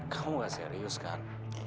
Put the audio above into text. kamu gak serius kan